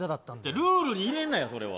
ルールに入れるなよ、それは。